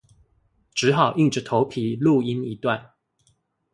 只好硬著頭皮錄音一段